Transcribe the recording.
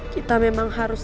kita memang harus